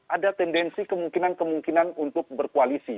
ada tendensi kemungkinan kemungkinan untuk berkoalisi